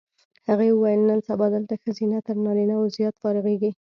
هغې وویل نن سبا دلته ښځینه تر نارینه و زیات فارغېږي.